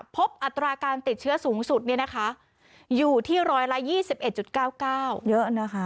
พบอัตราการติดเชื้อสูงสุดอยู่ที่รอยละ๒๑๙๙